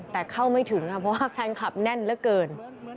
แต่เข้าไม่ถึงค่ะเพราะว่าแฟนคลับแน่นเหลือเกิน